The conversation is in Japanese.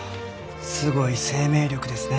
すごい生命力ですね。